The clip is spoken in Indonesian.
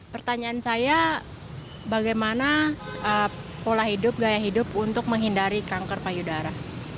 pertanyaan saya bagaimana pola hidup gaya hidup untuk menghindari kanker payudara